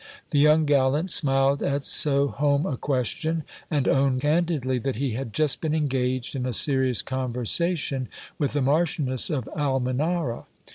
The young gallant smiled at so home a question, and owned candidly that he had just been engaged in a serious conversation with the Marchioness of Almenara.